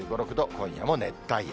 今夜も熱帯夜。